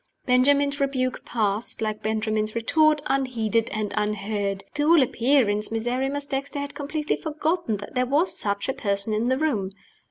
Benjamin's rebuke passed, like Benjamin's retort, unheeded and unheard. To all appearance, Miserrimus Dexter had completely forgotten that there was such a person in the room.